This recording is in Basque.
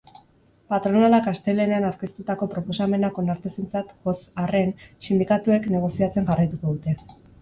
Patronalak astelehenean aurkeztutako proposamenak onartezintzat jo arren, sindikatuek negoziatzen jarraituko dute.